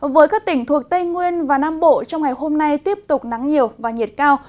với các tỉnh thuộc tây nguyên và nam bộ trong ngày hôm nay tiếp tục nắng nhiều và nhiệt cao